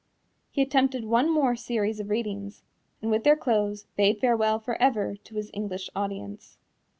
He attempted one more series of readings, and with their close bade farewell for ever to his English audience.